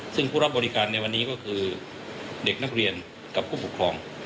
ซึ่งผู้รับบริการในวันนี้ก็คือเด็กนักเรียนกับผู้ปกครอง